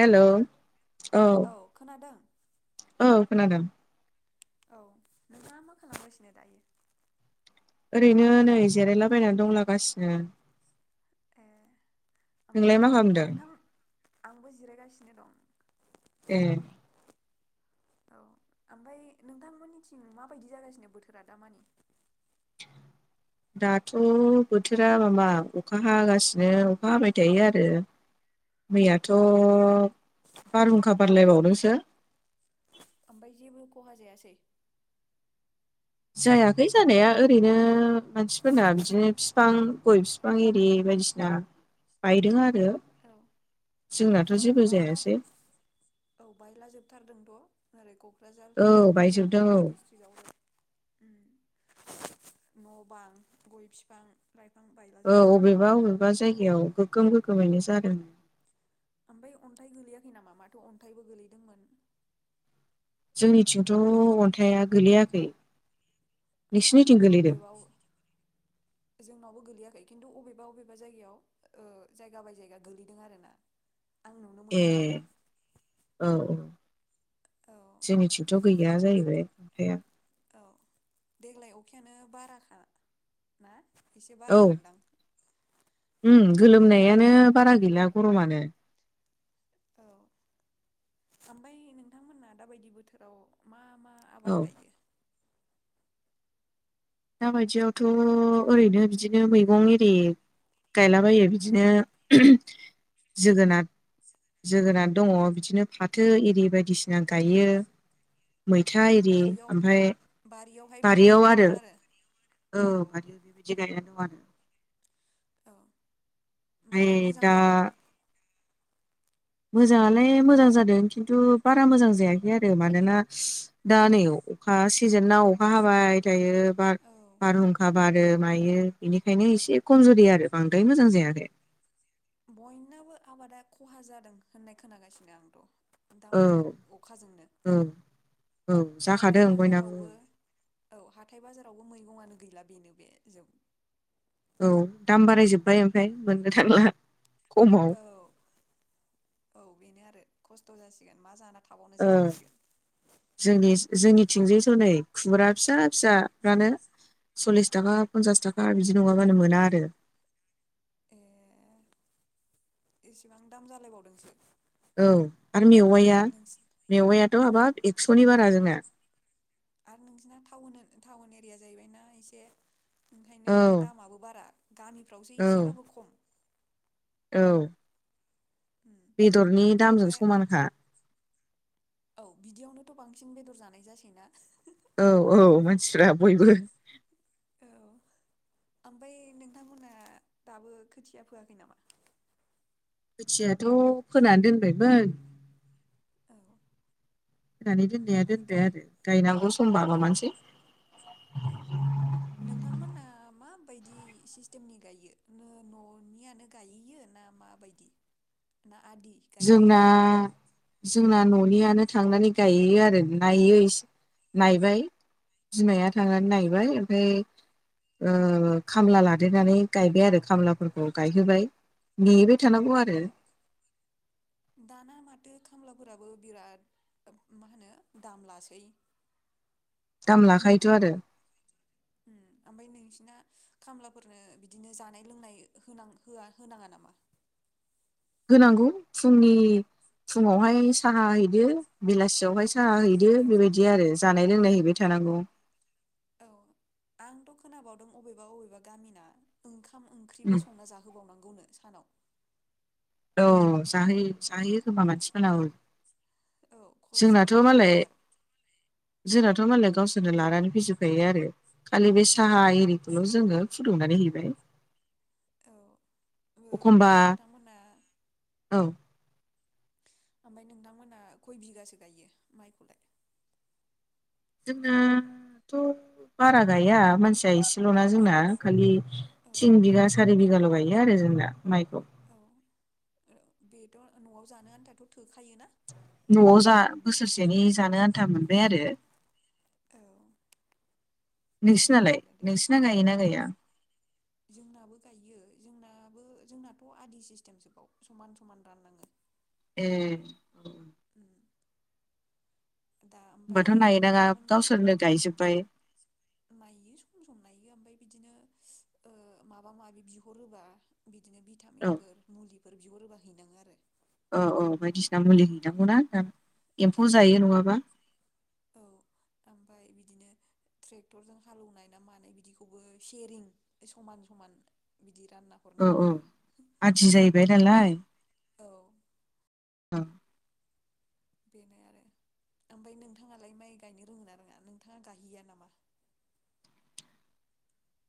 हेल' औ खोनादों औ खोनादों औ नोंथाङा मा खालामगासिनो दायो? ओरैनो नै जिरायलाबायनानै दंलागासिनो ए नोंलाय मा ओमफ्राय खालामदों नोंथां आंबो जिरायगासिनो दं। ए औ ओमफाय नोंथांमोननिथिं माबायदि जागासिनो बोथोरा दा माने? दाथ' बोथोरा माबा अखा हागासिनो अखा हाबाय थायो आरो औ मैयाथ' मै बारहुंखा बारलायबावदोंसो। ओमफाय जेबो खहा जायास [unintelligible] जायाखै जानाया ओरैनो मानसिफोरना बिदिनो फिफां गय फिफां एरि बायदिसिना बायदों आ औ औ बायला जायासै औ बायला जोबथारदोंथ' सारायखौ क'क्राझार औ क'क्राझार बायजोबदों औ ड्रिस्ट्रिकआव न' बां, गय -फिफां औ अबेबा- अबेबा जायगायाव गोगोम [unintelligible] [unintelligible] जादों। ओमफ्राय अन्थाइ गोलैयाखै नामा माथो अन्थाइबो गोलैदोंमोन। जोंनिथिंथ' अन्थाया गोलैयाखै। अ नोंसिनिथिं होमबालाय गोलैदों अबेबाव जोंनावबो गोलैयाखै। खिन्थु बबेबा -बबेबा जायगायाव ओ जायगा बाय जायगा गोलैदों आरो ना। आं नुनो ए मोनदों औ। औ जोंनिथिंथ' गैया जाहैबाय। दे औ देग्लाय अखायानो बाराखा ना? एसे बारा मोनदां। उ थांनाय बोसोरावसो गोलोमनायानो खममोन बारा गैला गरमानो औ ओमफ्राय नोंथांमोना दाबायदि बोथोराव मा मा आबाद औ गायो दाबायदियावथ' ओरैनो बिदिनो मैगं एरि गायलाबायो औ बिदिनो [unintelligible] जोगोनाद -जोगोनाद दङ' बिदिनो फाथो एरि बायदिसिना गायो। मैथा ए एरि बारियाव ओमफाय बारियावहाय बिदि बारियाव गायनाय दं आरो औ [unintelligible] बाय ओमफ्राय मोजां दा जादों? [unintelligible] [unintelligible] मोजां मा जादों खिन्थु बारा मोजां जायाखै आरो। मानोना दा नै अखा सिजोनाव अखा हाबाय थायो बार औ -बारहुंखा बारो मायो बेनिखायनो एसे खमजुरि आरो बांद्राय मोजां जायाखै। बयनाबो आबादा खहा जादों होननाय खोनागासिनो आंथ' औ दामानि अखाजोंनो औ औ हाथाय जाखादों बयनाबो बाजारावबो औ हाथाय [unintelligible] [unintelligible] मैगं आनो गैला बेनो [unintelligible] औ दाम बाराय जोब्बाय ओमफ्राय मोननो थांला। खमाव औ औ बेनो आरो। खस्थ' जासिगोन मा [unintelligible] ओ जासिगोन जोंनि उम जोंनिथिंजायस' नै खुमब्रा फिसा फिसाफ्रानो सल्लिस थाखा, फनसास थाखा बिदि नङाबानो मोना आरो। ए एसेबां दाम जालायबावदोंसो। औ आरो मेवाइया नोंसि मेवायाथ' औ हाबाब एक्स'नि बारा जोंना आरो नोंसिना टाउनो टाउन एरिया जाहैबायना एसे ओंखायनो औ दामाबो बारा गामिफ्रावसो औ एसेबाबो खम औ उम बेदरनि दामजों ओमफ्राय समानखा औ बिदियावनोथ' बांसिन बेदर जानाय जासैना औ औ मानसिफ्रा बयबो औ ओमबाय नोंथांमोनहा दाबो खोथिया फोआखै नामा खोथियाथ' फोनानै दोनबायमोन औ होनानै दोननाया उनावहाय दोनबाय गाय आरो गायनांगौ समबा औ माबानोसै औ बायदि सिस्टेमनि गायो नो न'नियानो गायहैयो ना माबायदि ना? आदि गायो जोंना जोंना न'नियानो थांनानै गायियो आरो नायोस नायबाय बिमाया औ थांनानै नायबाय ओमफाय ओ खामला लादेरनानै गायबाय आरो खामलाफोरखौ गायहोबाय नेओइबाय थानांगौ औ आरो दाना माथो खामलाफोराबो बिराद मा होनो दाम लासै दाम लाखायोथ' आरो उम ओमफाय नोंसिना खामलाफोरनो बिदिनो जानाय लोंनाय होनां होआ होनाङा नामा होनांगौ फुंनि फुुङावहाय साहा हैदो बेलासियावहाय साहा हैदो औ बेबायदि आरो जानाय लोंनाय हैैबाय थानांगौ। औ आंथ' खोनाबावदों अबेबा अबेबा गामिना ओंखा खाम उम ओंख्रिबो संना जाहोबावनांगौनो सानाव। औ जाहोयो जाहोयो खोमा मानसिफोरनाव औ। औ जोंनाथ' मालाय खस्थ'थार जोंनाथ' मालाय गावसोरनो लानानै फैजोबखायो आरो। खालि बे औ साहा एरिखौल' जोङो फुदुंनानै हैबाय। औ ओ एखमबा ओमफ्राय नोंथांमोना औ उम। ओमफाय नोंथांमोना खय बिगासो गायो माइखौलाय? जोंनाथ' बारा गाया मानसिया एसेल'ना जोंना खालि औ थिन बिगा सारि बिगाल' गायो आरो जोंना माइखौ। औ ओ बेथ' न'आव जानो आनथाथ' थोखायो। न'आव जा बोसोरसेनि जानो आन्था मोनबाय आरो। औ नोंसिनालाय मोजांङानो दे नोंसिना गायोना गाया जोंनाबो गायो। जोंनाबो जोंनाथ' आदि सिस्टेमसोबाव समान समान राननाङो। एह। उम। दा होमबाथ' ओमफाय नायनाङा नोंथांमोन गावसोरनो गायजोब्बाय नायो सम सम नायो ओमफाय बिदिनो ओ माबा माबि बिहर होबा बि दिनो औ भिटामिनफोर मुलि बेफोर बिहरोबा हैनाङो आरो। औ औ बायदिसिना मुलि हैनांगौना नोंथां। एम्फौ औ जायो नङाबा। ओमफाय बिदिनो ट्रेक्टरजों हालोवनाय ना मानाय बिदिखौबो सेरिं समान समान बिदि रानना औ हरनांगौ औ आरो आदि जाहैबाय बे नालाय औ। औ। बेनो आरो ओमफाय नोंथांङालाय माइ गायनो रोङो ना रोङा नोंथाङा गायहैया नामा?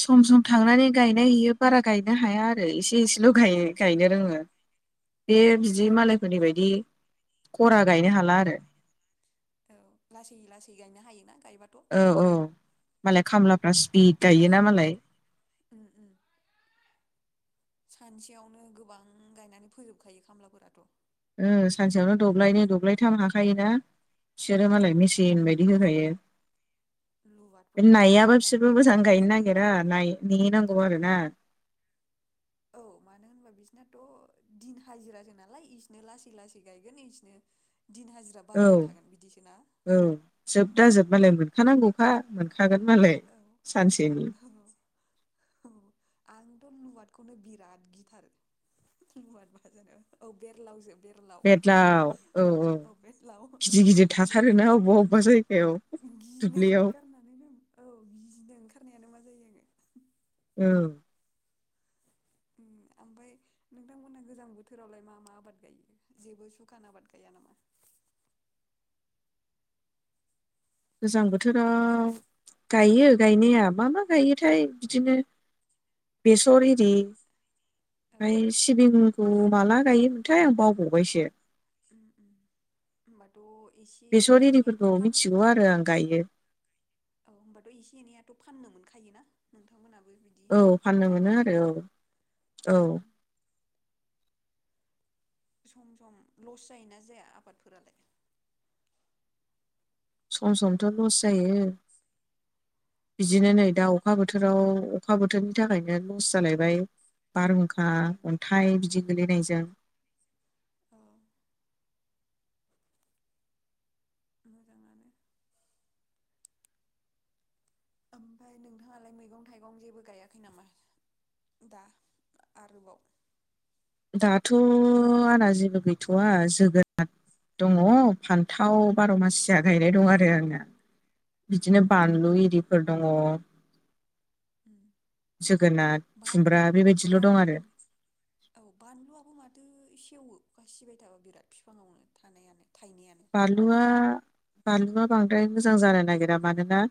सम सम थांनानै गायनाय हैयो बारा गायनो हाया आरो एसे एसेल' गायो गायनो रोङो। बे बिदि ए मालायफोरनि बायदि खरा गायनो हाला उम आरो। औ लासै लासै गायनो हायोना? गायबाथ' औ औ मालाय खामला गासि बो गायो ना मालाय। उम उम सानसेयावनो गोबां गायनानै फोजोबखायो खामलाफोराथ'। ओ सानसेयावनो दब्लायनै दब्लायथाम हाखायोना? बिसोरो मालाय मेसिन बायदि होखायो। [inaudible] लबारफोरखौसो नायाबा गिलायलाङो बिसोरबो आं मोजां गायनो नागिरा नाय नेयै नां खौ आरो ना। औ मानो होनबा बिसिनाथ' दिन हाजिरासो नालाय इसिनो लासै लासै गायगोन इसिनो दिन हाजिरा औ बारायबाय थागोन बिदिसोना औ जोबदा जोबबालायमोन। खानांगौखा मोन थागोन मालाय औ सानसेनि। औ खौनो बिराद गिथारो मुवाद बाजानायाव औ बेरलाव जोब बेदलाव औ औ बेरलाव गिदिर गिदिर दैयाव थाथारोना अबबा अबबा जायगायाव गिनो दुब्लियाव। ओंखारनानैनो औ गिनो ओंखारनायानो मा जायो आङो ओ। ओ आमफ्राय नोंथांमोनहा गोजां बोथोरावलाय मा मा आबाद गायो जेबो सुखान आबाद गाया नामा? गोजां बोथोरा गायो गायनाया मा मा गायोथाय बिदिनो बेसर हिरि औ फ्राय सिबिंखौ माला गायोमोनथाय आं बावबावबायसो। उम होमबाथ' एसे बेसर एनैयाथ' एरिफोरखौ फान मिथिगौ आरो आं गायो औ होनोमबाथ' एसे एनैयाथ' [inaudible] औ फाननो मोनो गायनानै आरो औ औ उम सम सम लस जायोना जाया आबादफोरालाय? सम समथ' लस जायो बिदिनो औ नै दा अखा बोथोराव अखा बोथोरनि थाखायनो लस जालायबाय बारहुंखा उम अन्थाइ बिदि गोलैनाय [unintelligible] [inaudible] [inaudible] ओमफ्राय नोंथाङालाय मैगं थाइगं जेबो गायाखै नामा दा आरोबाव? दाथ' आंना जेबो गैथ'वा जोगोनाद दङ फान्थाव उम बार' मासिया गाय बे दं आरो आंना औ बिदिनो बानलु इरिफोर दङ उम जो [inaudible] गोनार बान खुमब्रा बेबायदिल' बान दं आरो औ बानलुआबो माथो सेवो अखासिबाय थाबा बिराद फिफाङावनो थानायानो थाइनायानो बाल्लुआ बानलुआ बांद्राय मोजां जानो नागिरा मानोना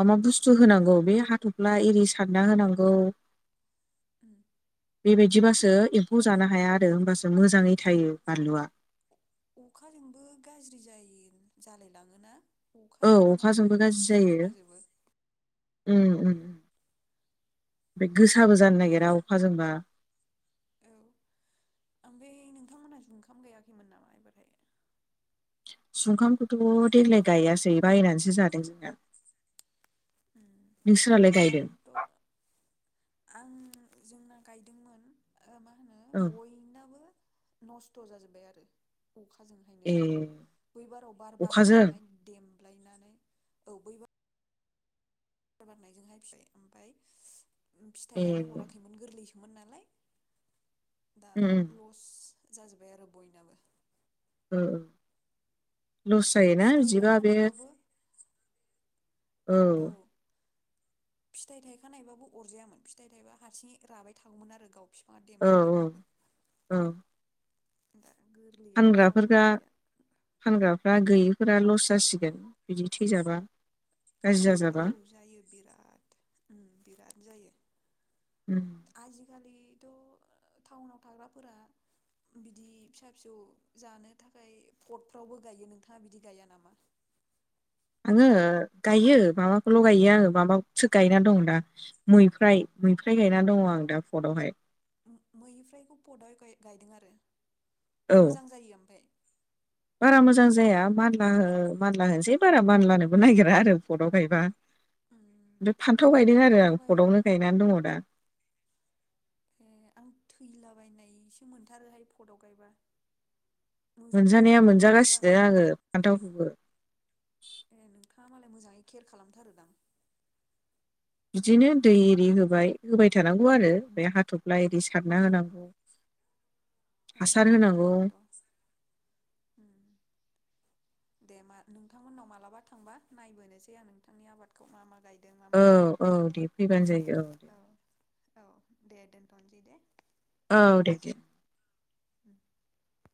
मा मा बुस्थु औ होनांगौ बे हाथफ्ला एरि सारना होनांगौ [inaudible] बेबायदिबासो एम्फौ जानो हाया आरो होमबासो मोजाङै थायो बानलुआ अखाजोंबो गाज्रि जायो जालाय लाङोना औ अखाजोंबो गाज्रि जायो [inaudible] उम उम बे गोसाबो जानो दा नागिरा अखाजोंबा औ [inaudible] सुमखामखौथ देग्लाय गायासै बायनानैसो जादों जोंना उम नोंसोरालाय गायदों? आंथ' [inaudible] [inaudible] औ नस्थ जाजोब्बाय ए आरो अखाजों [inaudible] [inaudible] [inaudible] ए फिथाइयानो उम हराखैमोन गोरलैस मोन नालाय दा उम लस जाजोब्बाय आरो बयनाबो ओ लस जायोना फिथाइ बिदिबा बे थायखानायबाबो औ। फिथाइ थायखानायबाबो अरजायामोन फिथाइ थाइबा हारसिंयै राबाय थागौमोन आरो गाव। बिफांआ औ देमलायनायबाबो। [inaudible] औ जाबायना फानग्राफोरा बिदिया फानग्राफ्रा गोयिफोरा उम लस जासिगोन बिदि थैजाबा गाज्रि औ जाजाबा जायो बिराद बिराद जायो। उम आजिखालि टाउनाव थाग्राफोरा बिदि फिसा फिसौ जानो थाखाय पटफ्रावबो गायो नोंथाङा बिदि गाया नामा? आङो गायो। माबाखौल औ गायो आङो माबाव सो गायनानै दं दा मैफ्राय मैफ्राय गायनानै दङ आं दा फटआवहाय। ओम मैनिफ्रायखौ पदआव गायदों आरो? औ मोजां जायो ओमफाय बारा मोजां जाया मानला हो मानला होनोसै बारा मानलानोबो नागिरा आरो पटआव गायबा। उम बे फान्थाव गायदों आरो पटआव आं गायबा फटआवनो गायनानै दङ दा। ए आं थैलाबायनायसो मोनथारोहाय फटआव गायबा। मोजाङै मोनजानाया जानायखौनो मोनफेरा आं मोनजागासिनो आङो फान्थावखौबो। हा मालाय मोजाङै केयार खालामथारोदां। बिदिनो दै एरि होबाय होबाय थानांगौ आरो बे हाथफ्ला एरि। सारना औ होनांगौ औ हासार होनांगौ ओंखायनोथ' दे मा नोंथांमोननाव मालाबा थांबा नायबोनोसै आं नोंथांनि आबादखौ मा मा गाय। दों मामा औ औ गायाखै दे फैबानो जायो दे औ औ दे दोनथनोसै दे औ दे [unintelligible]